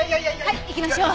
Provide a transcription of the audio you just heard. はい行きましょう。